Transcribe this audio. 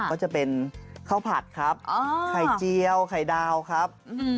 ก็จะเป็นข้าวผัดครับไข่เจียวไข่ดาวครับ